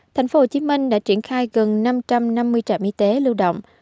thành phố hồ chí minh đã triển khai gần năm trăm năm mươi trạm y tế lưu động